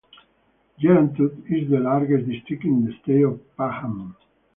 Jerantut is the largest district in the State of Pahang.